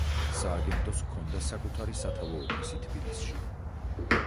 სააგენტოს ჰქონდა საკუთარი სათავო ოფისი თბილისში.